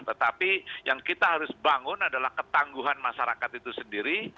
tetapi yang kita harus bangun adalah ketangguhan masyarakat itu sendiri